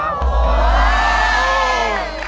โอ้โห